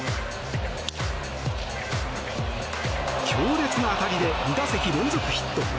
強烈な当たりで２打席連続ヒット。